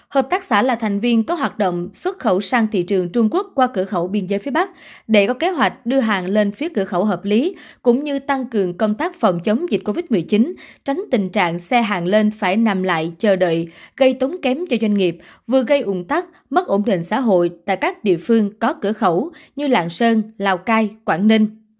hợp tác xã là thành viên có hoạt động xuất khẩu sang thị trường trung quốc qua cửa khẩu biên giới phía bắc để có kế hoạch đưa hàng lên phía cửa khẩu hợp lý cũng như tăng cường công tác phòng chống dịch covid một mươi chín tránh tình trạng xe hàng lên phải nằm lại chờ đợi gây tống kém cho doanh nghiệp vừa gây ủng tắc mất ổn định xã hội tại các địa phương có cửa khẩu như lạng sơn lào cai quảng ninh